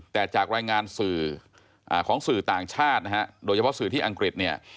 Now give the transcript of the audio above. แต่จากรายงานสื่อของสื่อต่างชาตินะฮะโดยเฉพาะสื่อที่อังกฤษเนี่ย